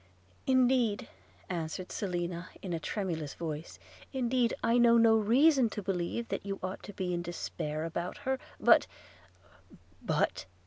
'Indeed,' answered Selina in a tremulous voice – 'indeed I know no reason to believe that you ought to be in despair about her, but –' 'But!'